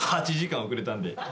８時間遅れたんで。